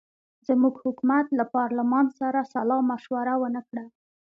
زموږ حکومت له پارلمان سره سلامشوره ونه کړه.